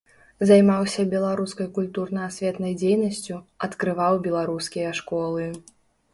Займаўся беларускай культурна-асветнай дзейнасцю, адкрываў беларускія школы.